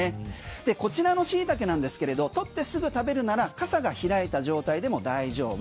こちらのシイタケなんですけれど取ってすぐ食べるならかさが開いた状態でも大丈夫。